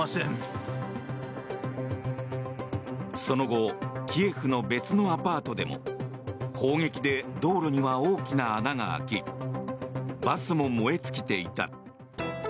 その後キエフの別のアパートでも砲撃で道路には大きな穴が開きバスも燃え尽きていた。